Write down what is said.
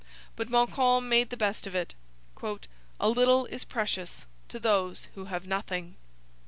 But Montcalm made the best of it: 'a little is precious to those who have nothing.'